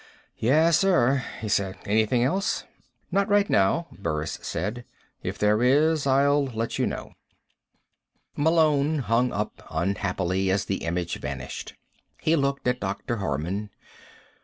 "Yes, sir," he said. "Anything else?" "Not right now," Burris said. "If there is, I'll let you know." Malone hung up unhappily as the image vanished. He looked at Dr. Harman.